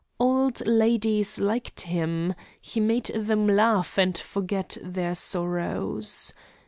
Old ladies liked him; he made them laugh and forget their sorrows.